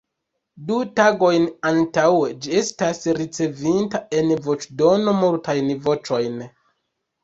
Du tagojn antaŭe, ĝi estas ricevinta, en voĉdono, multajn voĉojn.